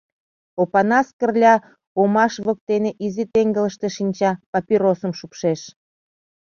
Опанас Кырля омаш воктене изи теҥгылыште шинча, папиросым шупшеш.